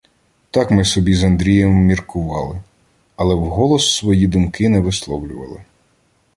Так ми собі з Андрієм міркували, але вголос свої думки не висловлювали.